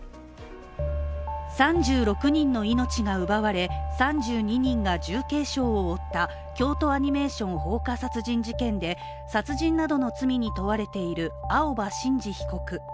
３６人の命が奪われ、３２人が重軽傷を負った京都アニメーション放火殺人事件で殺人などの罪に問われている青葉真司被告。